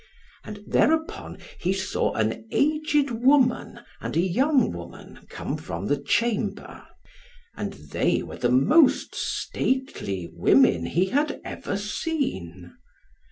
And thereupon he saw an aged woman and a young woman come from the chamber; and they were the most stately women he had ever seen.